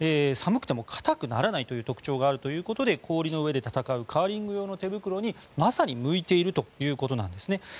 寒くても硬くならないという特徴があるということで氷の上で戦うカーリング用の手袋にまさに向いているということなんですね。